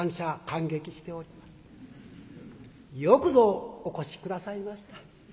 よくぞお越し下さいました。